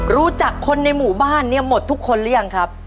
รู้จักคนในหมู่บ้านเนี่ยหมดทุกคนหรือยังครับ